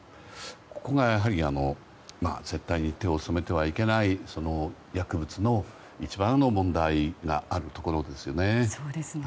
ここがやはり絶対に手を染めてはいけない薬物の一番の問題があるところですよね。